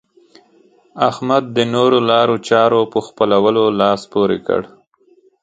احمد د نورو لارو چارو په خپلولو لاس پورې کړ.